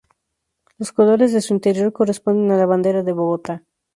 Los colores de su interior corresponden a la bandera de Bogotá.